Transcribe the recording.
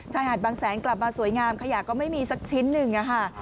ชายหาดบางแสนกลับมาสวยงามขยะก็ไม่มีสักชิ้นหนึ่งค่ะ